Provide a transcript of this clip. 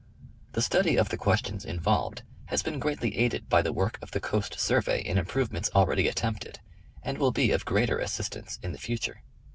The study of the questions involved has been greatly aided by the work of the Coast Survey in improve ments already attempted, and will be of greater assistance in the future.